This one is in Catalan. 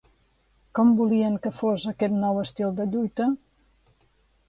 Com volien que fos aquest nou estil de lluita?